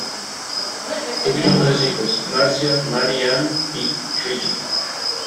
Tuvieron tres hijos: Marcia, Mary Ann y Richard.